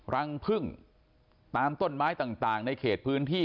รังพึ่งตามต้นไม้ต่างในเขตพื้นที่